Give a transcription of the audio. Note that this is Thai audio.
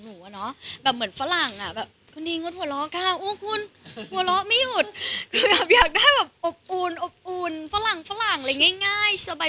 แต่คือเราเป็นฝรั่งเนี่ยดิงอะล้อล้อกะมันมันฟนมีห่วงคียี่ฝรั่งสบาย